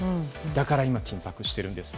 だから今、緊迫しているんです。